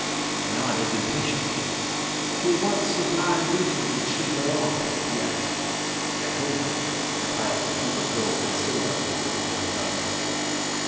'' I nodded impatiently. " To what sublime religion did she belong?" he asked. I told him. I piled a small heap of gold and silver on the table under his eyes.